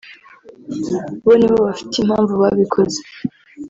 bo nibo bafite impamvu babikoze